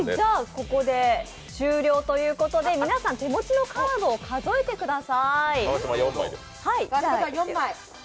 ここで終了ということで皆さん手持ちのカードを数えてください。